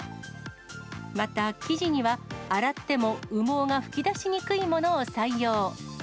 また生地には、洗っても、羽毛が吹き出しにくいものを採用。